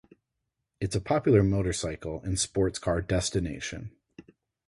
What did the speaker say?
It is a popular motorcycle and sports car destination.